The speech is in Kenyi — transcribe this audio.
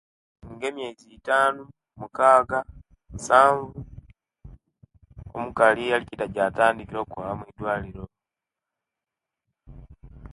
Nga emiyeizi itanu, mukaga, musanvu omukali alikida ja tandikira okwaba mudwaliro